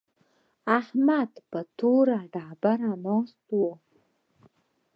احمد پر توره ډبره ناست و.